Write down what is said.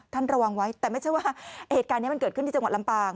ระวังไว้แต่ไม่ใช่ว่าเหตุการณ์นี้มันเกิดขึ้นที่จังหวัดลำปาง